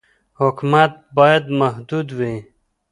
حکومت باید محدود وي.